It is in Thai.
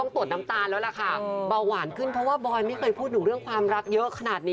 บอยไม่เคยพูดถึงเรื่องความรักเยอะขนาดนี้